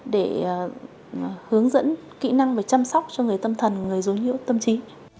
để hướng dẫn kỹ năng về chăm sóc cho người tâm thần người dối nhiễu tâm trí